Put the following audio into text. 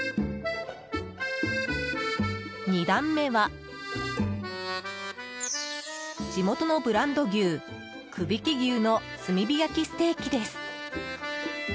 二段目は地元のブランド牛くびき牛の炭火焼ステーキです。